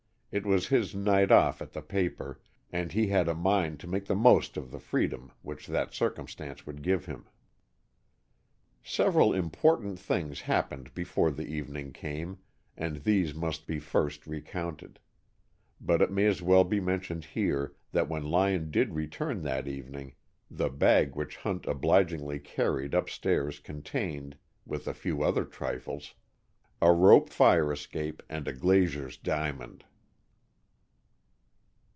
It was his "night off" at the paper, and he had a mind to make the most of the freedom which that circumstance would give him. Several important things happened before the evening came, and these must be first recounted; but it may as well be mentioned here that when Lyon did return that evening, the bag which Hunt obligingly carried upstairs contained, with a few other trifles, a rope fire escape and a glazier's diamond.